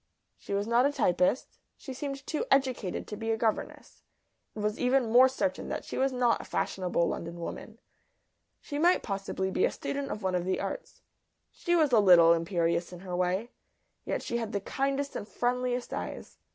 She was not a typist. She seemed too educated to be a governess. It was even more certain that she was not a fashionable London woman. She might possibly be a student of one of the arts. She was a little imperious in her way, yet she had the kindest and friendliest eyes.